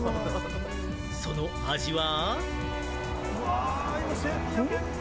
その味は？